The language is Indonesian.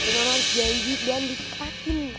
tapi mama janji jangan di sepakin